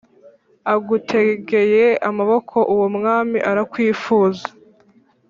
Agutegeye amaboko uwo mwami arakwifuza